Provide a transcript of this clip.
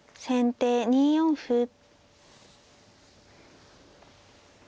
先手２四歩。